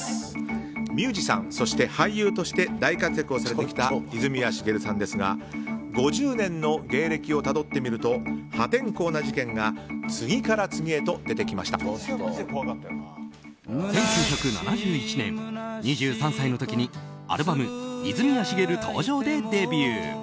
ミュージシャン、そして俳優として大活躍されてきた泉谷しげるさんですが５０年の芸歴をたどってみると破天荒な事件が１９７１年、２３歳の時にアルバム「泉谷しげる登場」でデビュー。